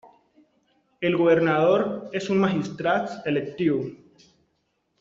El governador és un magistrat electiu.